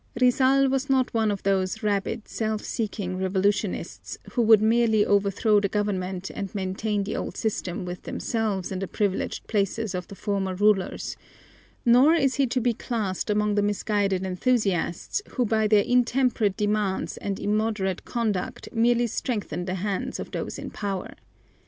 Rizal was not one of those rabid, self seeking revolutionists who would merely overthrow the government and maintain the old system with themselves in the privileged places of the former rulers, nor is he to be classed among the misguided enthusiasts who by their intemperate demands and immoderate conduct merely strengthen the hands of those in power.